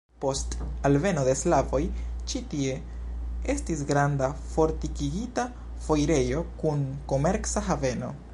Post alveno de slavoj ĉi tie estis granda fortikigita foirejo kun komerca haveno.